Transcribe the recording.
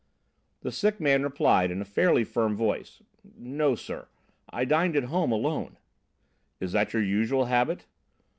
The sick man replied in a fairly firm voice: "No, sir, I dined at home alone." "Is that your usual habit?"